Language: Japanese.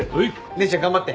姉ちゃん頑張って。